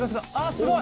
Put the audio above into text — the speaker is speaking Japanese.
すごい！